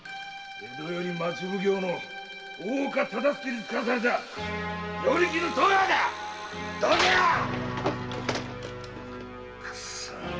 江戸より町奉行の大岡忠相に遣わされた与力の戸川だ‼くそっ！